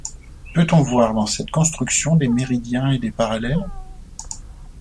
Peut-on voir dans cette construction des méridiens et des parallèles ?